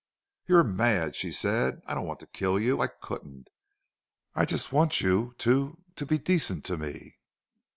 "You are mad," she said. "I don't want to kill you. I couldn't.... I just want you to to be decent to me."